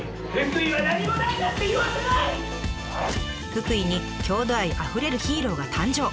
福井に郷土愛あふれるヒーローが誕生！